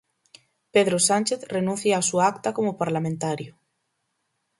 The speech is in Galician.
Pedro Sánchez renuncia á súa acta como parlamentario.